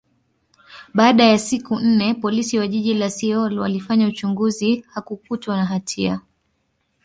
baada ya siku nne, Polisi wa jiji la Seoul walifanya uchunguzi, hakukutwa na hatia.